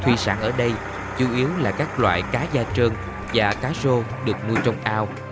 thuy sản ở đây chủ yếu là các loại cá gia trơn và cá rô được mua trong ao hoặc nhà mẹ